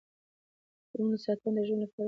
د ونو ساتنه د ژوند لپاره مهمه ده.